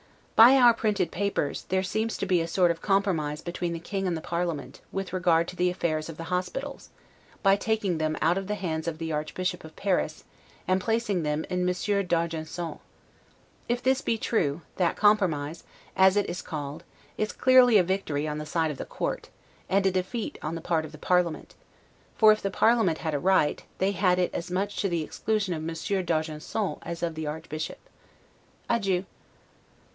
By our printed papers, there seems to be a sort of compromise between the King and the parliament, with regard to the affairs of the hospitals, by taking them out of the hands of the Archbishop of Paris, and placing them in Monsieur d'Argenson's: if this be true, that compromise, as it is called, is clearly a victory on the side of the court, and a defeat on the part of the parliament; for if the parliament had a right, they had it as much to the exclusion of Monsieur d'Argenson as of the Archbishop. Adieu.